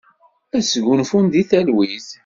Ad sgunfun di talwit.